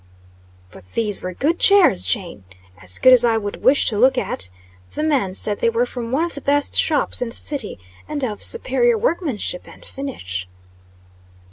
"But these were good chairs, Jane. As good as I would wish to look at. The man said they were from one of the best shops in the city, and of superior workmanship and finish."